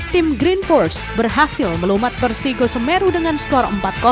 tim green force berhasil melumat persigo semeru dengan skor empat